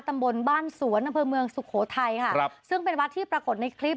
ตำบลบ้านสวนอำเภอเมืองสุโขทัยค่ะครับซึ่งเป็นวัดที่ปรากฏในคลิป